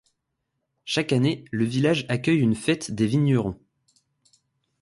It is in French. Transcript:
Chaque année, le village accueille une fête des vignerons.